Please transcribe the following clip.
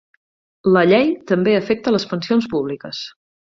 La llei també afecta les pensions públiques.